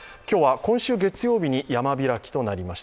今日は今週月曜日に山開きとなりました